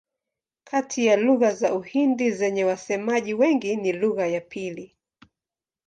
Kati ya lugha za Uhindi zenye wasemaji wengi ni lugha ya pili.